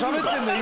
今。